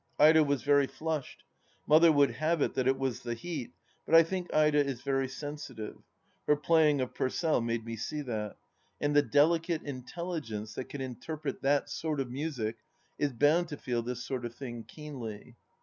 Ida was very flushed. Mother would have it that it was the heat, but I think Ida is very sensitive — her playing of Purcell made me see that — and the delicate intelligence that can interpret that sort of music is bound to feel this sort of thing keenly.